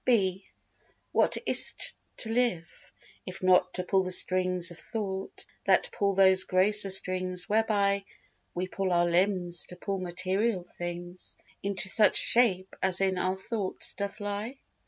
(B) What is't to live, if not to pull the strings Of thought that pull those grosser strings whereby We pull our limbs to pull material things Into such shape as in our thoughts doth lie?